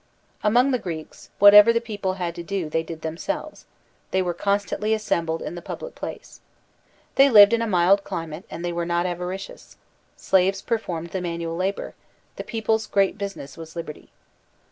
Among the Greeks, whatever the people had to do, they did themselves; they were constantly assembled in the public place. They lived in a mild climate and they were not avaricious; slaves performed the manual labor; the people's great business was liberty.